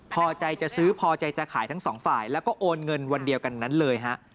พอใจจะซื้อพอใจจะขายทั้งสองฝ่ายแล้วก็โอนเงินวันเดียวกันนั้นเลยฮะ